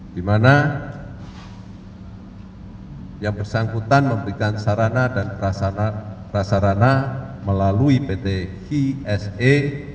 dimana yang bersangkutan memberikan sarana dan prasarana melalui pt kse